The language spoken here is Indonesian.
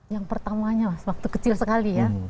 yang pertamanya mas waktu kecil sekali ya